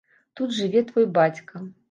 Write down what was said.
Тут жыве твой бацька.